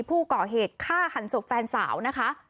ผู้ก่อเหตุฆ่าหันศพแฟนสาวนะคะ